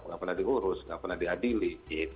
tidak pernah diurus tidak pernah diadili